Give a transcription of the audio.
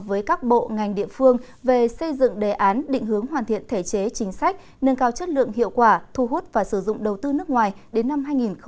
với các bộ ngành địa phương về xây dựng đề án định hướng hoàn thiện thể chế chính sách nâng cao chất lượng hiệu quả thu hút và sử dụng đầu tư nước ngoài đến năm hai nghìn ba mươi